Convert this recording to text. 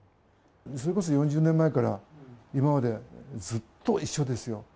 それこそ４０年前から今までずっと一緒ですよ。